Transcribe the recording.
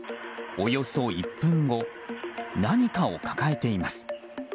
およそ１分後何かを抱えています。